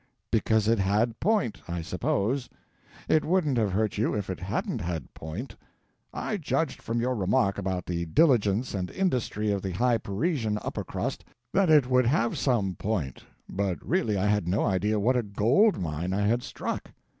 Because it had point, I suppose. It wouldn't have hurt you if it hadn't had point. I judged from your remark about the diligence and industry of the high Parisian upper crust that it would have some point, but really I had no idea what a gold mine I had struck.